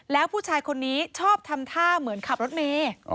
แล้วผู้ชายคนนี้ชอบทำท่าเหมือนขับรถเมย์